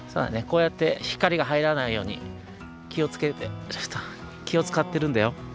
こうやって光がはいらないようにきをつけてきをつかってるんだよ。